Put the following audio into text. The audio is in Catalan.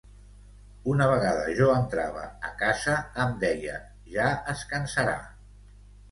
Una vegada jo entrava a casa em deia ja es cansarà.